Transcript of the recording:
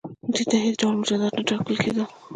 دوی ته هیڅ ډول مجازات نه ټاکل کیدل.